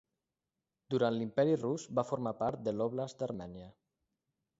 Durant l'imperi rus va formar part de l'Oblast d'Armènia.